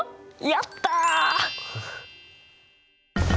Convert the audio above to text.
やった！